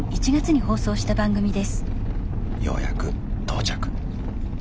ようやく到着。